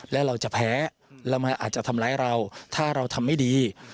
และเราจะแพ้เราอาจจะทำร้ายเราถ้าเราทำไม่ดี